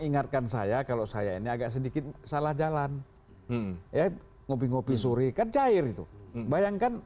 ingatkan saya kalau saya ini agak sedikit salah jalan ya ngopi ngopi suri kan cair itu bayangkan